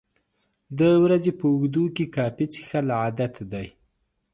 د ورځې په اوږدو کې کافي څښل عادت دی.